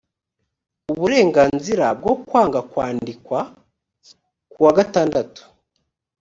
uburenganzira bwo kwanga kwandikwa kuwa gatandatu